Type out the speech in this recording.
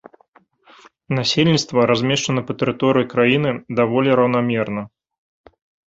Насельніцтва размешчана па тэрыторыі краіны даволі раўнамерна.